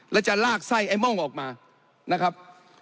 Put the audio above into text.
แล้วจะลากไส้ไอ้ม่องออกมานะครับ